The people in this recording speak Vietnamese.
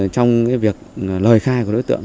trong cái việc lời khai của đối tượng